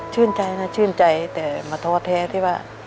ชื่นใจนะชื่นใจแต่มาโทษแท้ที่ว่า